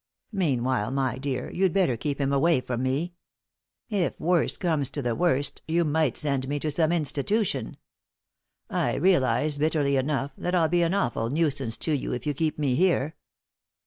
Meanwhile, my dear, you'd better keep him away from me. If worse comes to the worst you might send me to some institution. I realize, bitterly enough, that I'll be an awful nuisance to you if you keep me here."